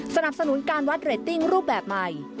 สนับสนุนการวัดเรตติ้งรูปแบบใหม่